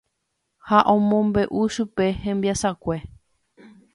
Ha omombe'u chupe hembiasakue.